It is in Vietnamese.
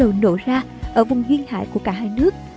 những đụng độ quân sự lẻ tẻ bắt đầu nổ ra ở vùng huyên hại của cả hai nước